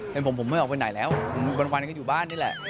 เป็นผมผมไม่ออกไปไหนแล้ววันก็อยู่บ้านนี่แหละ